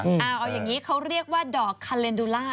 เอาอย่างนี้เขาเรียกว่าดอกคาเลนดูล่า